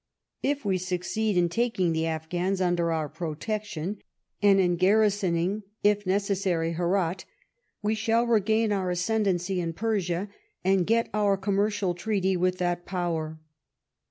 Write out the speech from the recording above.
If we suc ceed in taking the Afghans under our protection, and in garrisoning (if necessary) Herat, we shall regain our ascendancy in Persia, and get our commercial treaty with that Power.